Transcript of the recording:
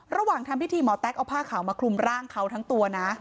ระหว่างทำพิธีหมอแต๊กเอาผ้าขาวมาคลุมร่างเขาทั้งตัวนะ